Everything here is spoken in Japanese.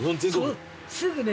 すぐね。